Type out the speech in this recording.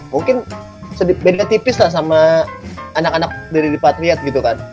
mungkin beda tipis lah sama anak anak dari patriot gitu kan